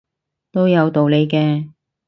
都有道理嘅